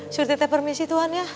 sur titeh permisi tuhan ya